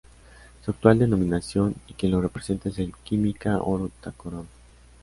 Su actual denominación y quien lo representa es el Química Oro Tacoronte.